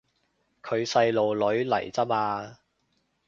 佢細路女嚟咋嘛